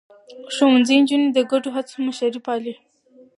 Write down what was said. ښوونځی نجونې د ګډو هڅو مشري پالي.